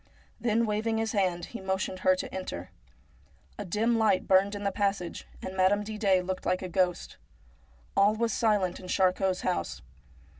Then waving his hand he motioned her to enter. A dim light burned in the passage, and Madame Didet looked like a ghost. All was silent in Charcot's house.